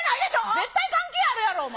絶対関係あるやろ、お前！